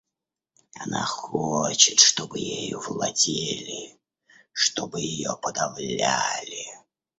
Она хочет, чтобы ею владели, чтобы ее подавляли.